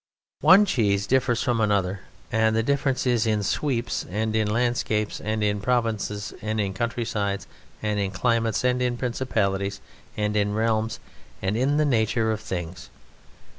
One cheese differs from another, and the difference is in sweeps, and in landscapes, and in provinces, and in countrysides, and in climates, and in principalities, and in realms, and in the nature of things.